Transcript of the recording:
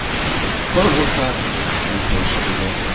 Pauvre femme ! laissa échapper Berthe.